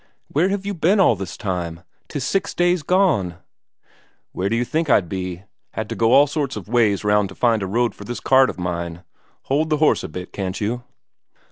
Where have you been all this time? 'Tis six days gone." "Where d'you think I'd be? Had to go all sorts of ways round to find a road for this cart of mine. Hold the horse a bit, can't you?"